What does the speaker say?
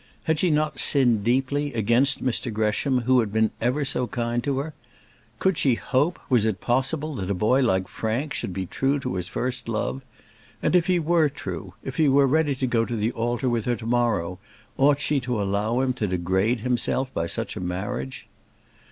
Had she not sinned deeply, against Mr Gresham, who had ever been so kind to her? Could she hope, was it possible, that a boy like Frank should be true to his first love? And, if he were true, if he were ready to go to the altar with her to morrow, ought she to allow him to degrade himself by such a marriage?